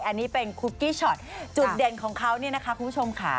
อันนี้เป็นคุกกี้ช็อตจุดเด่นของเขาเนี่ยนะคะคุณผู้ชมค่ะ